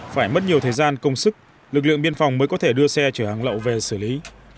phải mất nhiều thời gian công sức lực lượng biên phòng mới có thể đưa xe chở hàng lậu về xử lý